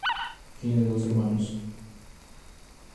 Tiene dos hermanos.